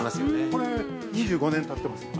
◆これ、２５年たってますもん。